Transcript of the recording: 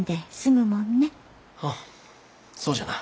ああそうじゃな。